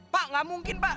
pak gak mungkin pak